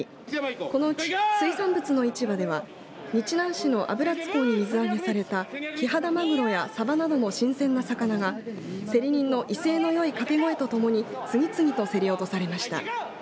このうち水産物の市場では日南市の油津港に水揚げされたキハダマグロやさばなどの新鮮な魚が競り人の威勢のよい掛け声とともに次々と競り落とされました。